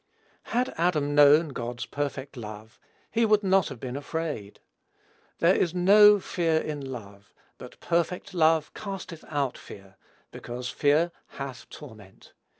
Had Adam known God's perfect love, he would not have been afraid. "There is no fear in love; but perfect love casteth out fear, because fear hath torment.